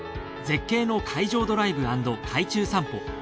絶景の海上ドライブ＆海中散歩。